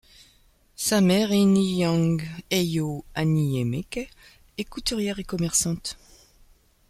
Sa mère Inyang Eyo Aniemeke est couturière et commerçante.